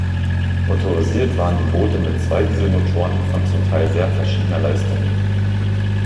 Motorisiert waren die Boote mit zwei Dieselmotoren von zum Teil sehr verschiedener Leistung.